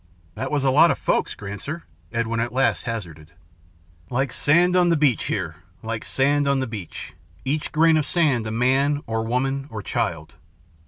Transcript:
"That was a lot of folks, Granser," Edwin at last hazarded. "Like sand on the beach here, like sand on the beach, each grain of sand a man, or woman, or child.